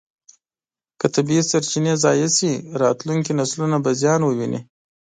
که طبیعي سرچینې ضایع شي، راتلونکي نسلونه به زیان وویني.